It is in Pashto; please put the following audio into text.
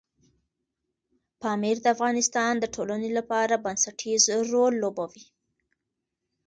پامیر د افغانستان د ټولنې لپاره بنسټيز رول لوبوي.